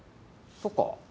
そっか。